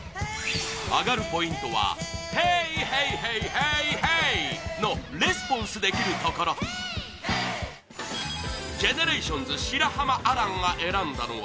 アガるポイントは「Ｈｅｙｈｅｙｈｅｙｈｅｙｈｅｙ」のレスポンスできるところ ＧＥＮＥＲＡＴＩＯＮＳ の白濱亜嵐が選んだのは